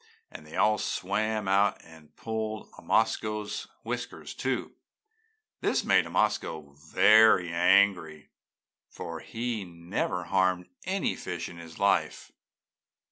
and they all swam out and pulled Omasko's whiskers, too. This made Omasko very angry, for he never harmed any fish in his life.